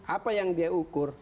apa yang dia ukur